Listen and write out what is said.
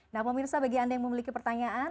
nah pemirsa bagi anda yang memiliki pertanyaan